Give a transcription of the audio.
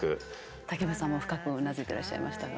武部さんも深くうなずいてらっしゃいましたが。